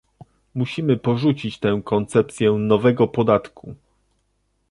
Musimy porzucić tę koncepcję nowego podatku